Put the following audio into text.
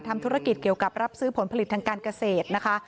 ทำธุรกิจเกี่ยวกับรับซื้อผลผลิตทางการเกษตรนะคะ